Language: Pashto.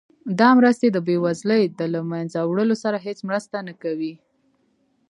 دا مرستې د بیوزلۍ د له مینځه وړلو سره هیڅ مرسته نه کوي.